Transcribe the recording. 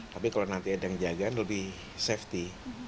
tapi kalau nanti ada yang jaga lebih safety